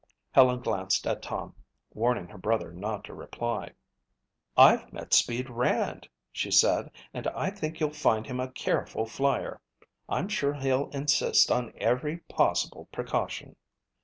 Helen glanced at Tom, warning her brother not to reply. "I've met 'Speed' Rand," she said, "and I think you'll find him a careful flyer. I'm sure he'll insist on every possible precaution."